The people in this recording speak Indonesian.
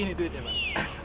ini duitnya bang